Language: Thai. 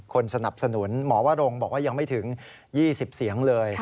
สนับสนุนหมอวรงบอกว่ายังไม่ถึง๒๐เสียงเลย